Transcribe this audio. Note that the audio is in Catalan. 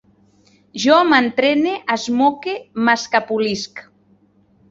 Jo m'entrene, esmoque, m'escapolisc